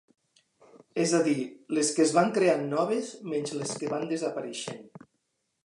És a dir, les que es van creant noves menys les que van desapareixent.